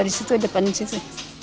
dari situ depan situ